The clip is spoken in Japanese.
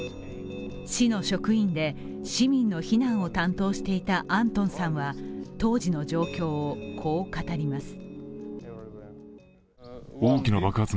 市の職員で市民の避難を担当していたアントンさんは当時の状況をこう語ります。